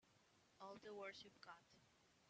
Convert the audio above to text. All the words you've got.